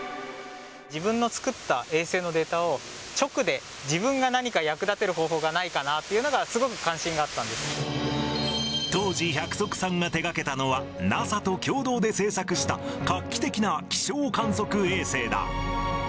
自分の作った衛星のデータを直で自分が何か役立てる方法がないかなというのが、すごく関心が当時、百束さんが手がけたのは、ＮＡＳＡと共同で製作した画期的な気象観測衛星だ。